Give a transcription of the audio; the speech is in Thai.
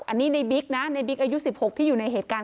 อันนี้ในบิ๊กนะในบิ๊กอายุ๑๖ที่อยู่ในเหตุการณ์